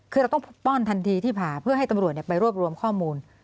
คือเราต้องป้อนทันทีที่ผ่าเพื่อให้ตำรวจไปรวบรวมข้อมูล